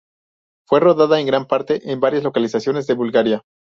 Fue rodada en gran parte en varias localizaciones de Bulgaria.